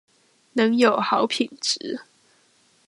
能有好品質